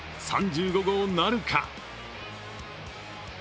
３５号なるか。